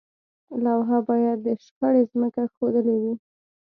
لوحه باید د شخړې ځمکه ښودلې وي.